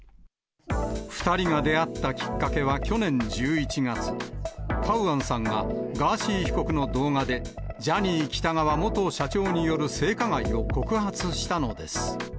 ２人が出会ったきっかけは去年１１月、カウアンさんがガーシー被告の動画で、ジャニー喜多川元社長による性加害を告発したのです。